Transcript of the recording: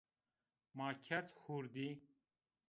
Ma kerd hurdî